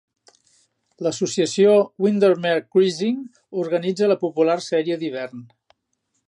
L'Associació Windermere Cruising organitza la popular sèrie d'hivern.